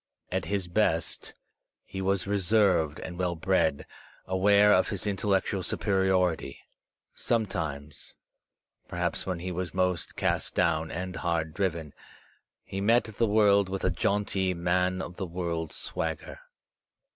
At his best, he was reserved and well bred, aware of his intellectual superiority. Sometimes, perhaps when he was most cast down and hard driven, he met the world with a jaunty man of the world swagger.